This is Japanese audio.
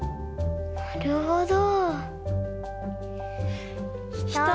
なるほど。